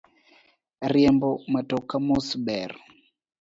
Riembo matoka mos ber.